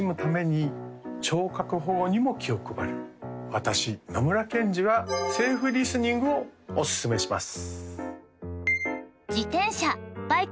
私野村ケンジはセーフリスニングをおすすめします